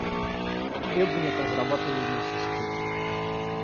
Требования к разрабатываемой системе